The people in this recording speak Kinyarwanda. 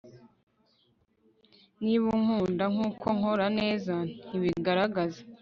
niba unkunda nkuko nkora neza ntibigaragaza